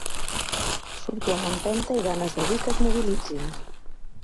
Surto amb empenta i amb ganes de dir que es mobilitzin.